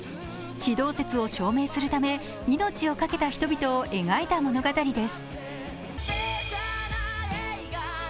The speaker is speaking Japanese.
地動説を証明するため、命をかけた人々を描いた物語です。